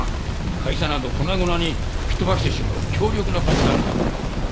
会社など粉々に吹き飛ばしてしまう強力な爆弾だって。